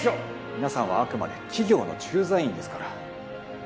皆さんはあくまで企業の駐在員ですから。